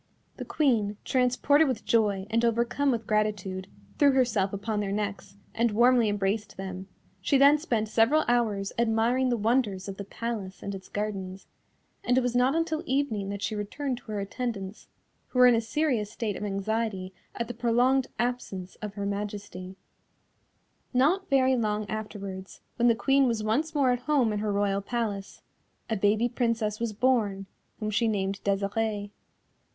The Queen, transported with joy, and overcome with gratitude, threw herself upon their necks, and warmly embraced them; she then spent several hours admiring the wonders of the palace and its gardens, and it was not until evening that she returned to her attendants, who were in a serious state of anxiety at the prolonged absence of Her Majesty. Not very long afterwards, when the Queen was once more at home in her Royal Palace, a baby Princess was born, whom she named Desirée.